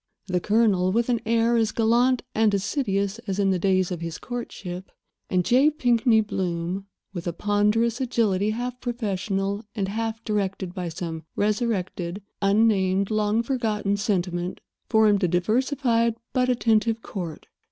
The Colonel, with an air as gallant and assiduous as in the days of his courtship, and J. Pinkney Bloom, with a ponderous agility half professional and half directed by some resurrected, unnamed, long forgotten sentiment, formed a diversified but attentive court.